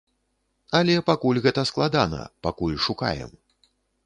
Але пакуль гэта складана, пакуль шукаем.